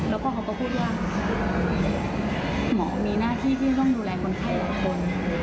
แล้วก็เขาก็พูดว่าหมอมีหน้าที่ที่ต้องดูแลคนไข้หลายคน